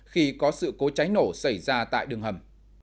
khi có sự cố cháy nổ xảy ra tại đường hầm